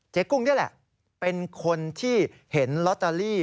กุ้งนี่แหละเป็นคนที่เห็นลอตเตอรี่